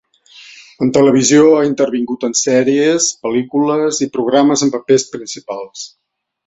En Televisió ha intervingut en sèries, pel·lícules i programes amb papers principals.